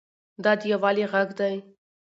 دا د یووالي غږ دی.